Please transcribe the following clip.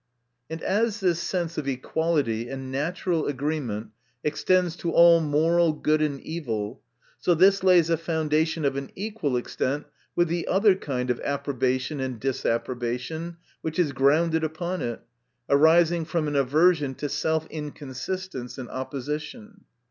And as this sense of equality and natural agreement extends to all moral good and evil, so this lays a foundation of an equal extent with. the other kind of approbation and disapprobation, which is grounded upon it, arising from an aversion to self inconsistence and opposition.